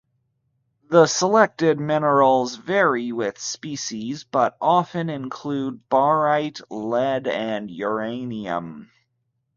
The selected minerals vary with species, but often include barite, lead and uranium.